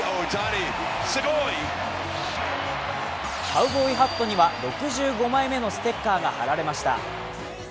カウボーイハットには６５枚目のステッカーが貼られました。